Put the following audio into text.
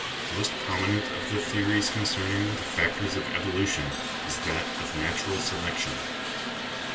Most prominent of the theories concerning the factors of evolu tion is that of Natural Selection.